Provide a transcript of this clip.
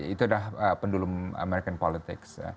itu adalah pendulum american politics